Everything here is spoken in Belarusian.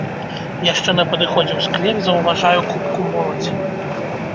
Яшчэ на падыходзе ў сквер заўважаю купку моладзі.